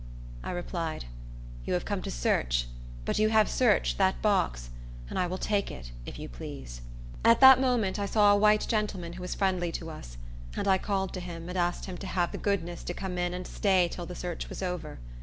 I replied, "You have come to search; but you have searched that box, and I will take it, if you please." At that moment I saw a white gentleman who was friendly to us; and I called to him, and asked him to have the goodness to come in and stay till the search was over.